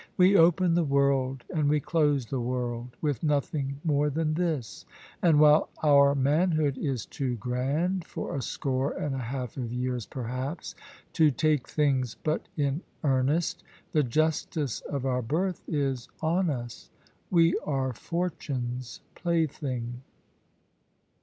We open the world, and we close the world, with nothing more than this; and while our manhood is too grand (for a score and a half of years, perhaps), to take things but in earnest, the justice of our birth is on us, we are fortune's plaything.